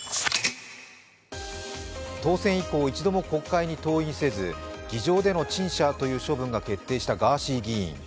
当選以降一度も国会に登院せず議場での陳謝という処分が決定したガーシー議員。